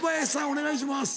お願いします。